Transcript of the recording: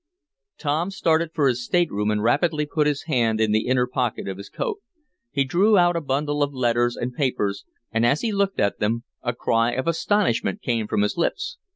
Tom started for his stateroom, and rapidly put his hand in the inner pocket of his coat. He drew out a bundle of letters and papers, and, as he looked at them, a cry of astonishment came from his lips.